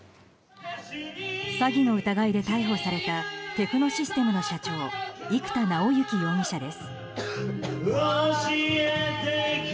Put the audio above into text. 詐欺の疑いで逮捕されたテクノシステムの社長生田尚之容疑者です。